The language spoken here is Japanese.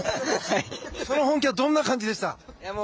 その本気はどんな感じでしたか？